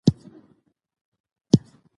افغانستان د فرهنګي شتمنیو کور دی.